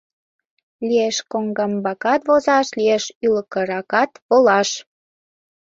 Лиеш коҥгамбакат возаш, лиеш ӱлкыракат волаш.